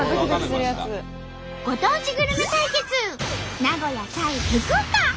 ご当地グルメ対決名古屋対福岡！